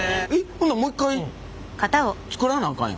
ほなもう一回作らなあかんやん。